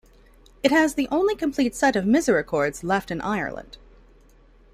It has the only complete set of misericords left in Ireland.